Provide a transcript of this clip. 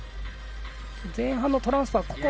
前半のトランスファー